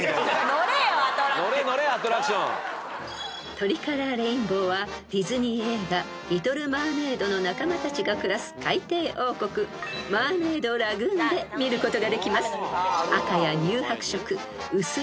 ［トリカラーレインボーはディズニー映画『リトル・マーメイド』の仲間たちが暮らす海底王国マーメイドラグーンで見ることができます］